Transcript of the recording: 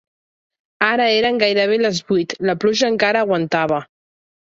Ara eren gairebé les vuit; la pluja encara aguantava.